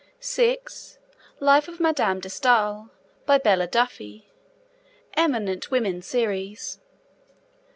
(6) Life of Madame de Stael. By Bella Duffy. 'Eminent Women' Series.